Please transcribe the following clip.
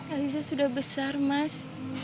aziza sudah besar mas